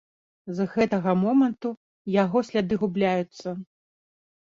З гэтага моманту яго сляды губляюцца.